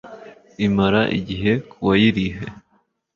imara igihe ku wayirihe